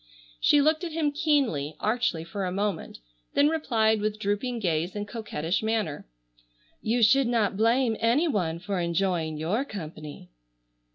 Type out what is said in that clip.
She looked at him keenly, archly for a moment, then replied with drooping gaze and coquettish manner: "You should not blame any one for enjoying your company."